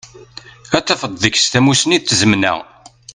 Dd tafeḍ deg-s tamusni d tzemna.